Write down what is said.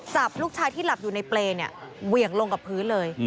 จับลูกชายที่หลับอยู่ในเปรย์เนี่ยเหวี่ยงลงกับพื้นเลย